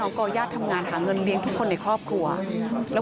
น้องก้อยหยานที่เป็นเสาหลักของครอบครัวนะคะ